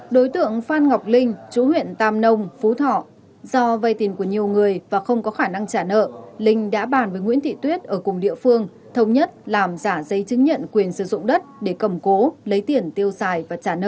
đối tượng phan ngọc linh chú huyện tam nông phú thọ do vay tiền của nhiều người và không có khả năng trả nợ linh đã bàn với nguyễn thị tuyết ở cùng địa phương thống nhất làm giả giấy chứng nhận quyền sử dụng đất để cầm cố lấy tiền tiêu xài và trả nợ